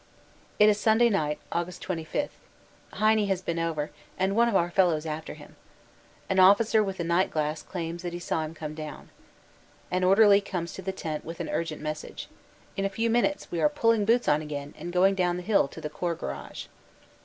It is Sunday night, Aug. 25, "Heine" has been over, and one of our fellows after him. An officer with a night glass claims he saw him come down. An orderly comes to the tent with an urgent message. .. In a few minutes we are pulling boots on again and going down the hill to the Corps garage.